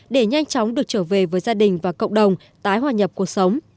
để nhanh chóng được trở về với gia đình và cộng đồng tái hòa nhập cuộc sống